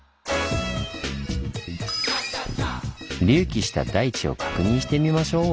隆起した大地を確認してみましょう！